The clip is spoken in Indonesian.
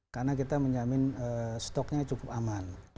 karena kita menjamin stoknya cukup aman